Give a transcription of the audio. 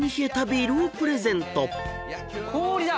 氷だ！